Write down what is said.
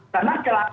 karena keamanan itu